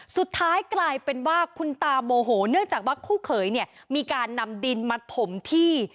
สุดท้ายกลายเป็นว่าคุณตาโมโหเนื่องจากว่าคู่เขยเนี่ยมีการนำดินมาถมที่